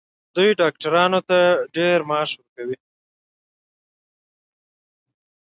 دوی ډاکټرانو ته ډیر معاش ورکوي.